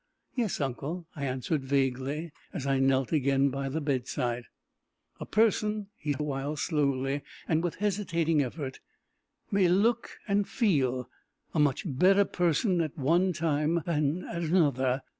"Yes, uncle," I answered vaguely, as I knelt again by the bedside. "A person," he said, after a while, slowly, and with hesitating effort, "may look and feel a much better person at one time than at another.